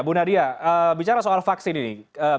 bu nadia bicara soal vaksin ini